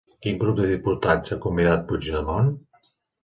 Quin grup de diputats ha convidat a Puigdemont?